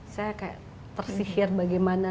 saya kayak tersihir bagaimana